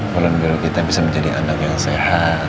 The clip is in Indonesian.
kolon biru kita bisa menjadi anak yang sehat